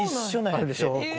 あるでしょ